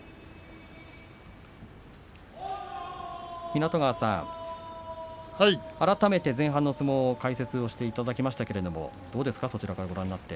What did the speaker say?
湊川さん、改めて前半の相撲を解説していただきましたけれどもどうですかそちらからご覧になって。